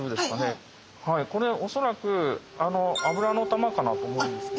はいこれおそらく油の球かなと思うんです。